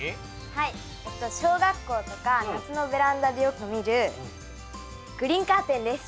小学校とか夏のベランダでよく見るグリーンカーテンです。